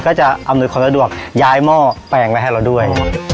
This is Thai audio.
จะอำนวยความสะดวกย้ายหม้อแปลงไปให้เราด้วย